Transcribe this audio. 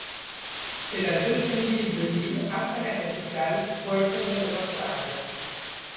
C'est la deuxième ville de l'île après la capitale Puerto del Rosario.